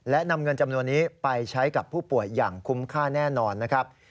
และนำเงินจำนวนนี้ไปใช้กับผู้ป่วยอย่างคุ้มค่าแน่นอนนะครับ